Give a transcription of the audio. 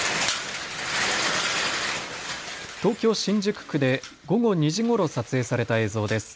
東京新宿区で午後２時ごろ撮影された映像です。